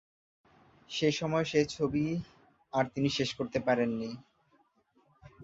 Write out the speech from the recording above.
সেসময় সে ছবি আর তিনি শেষ করতে পারেননি।